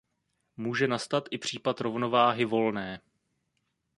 Může nastat i případ rovnováhy volné.